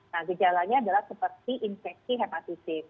nah gejalanya adalah seperti infeksi hepatitis